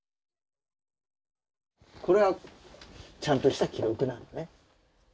これはちゃんとした記録なのね。